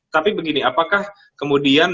tapi begini apakah kemudian